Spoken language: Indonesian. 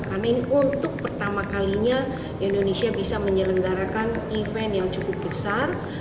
karena ini untuk pertama kalinya indonesia bisa menyelenggarakan event yang cukup besar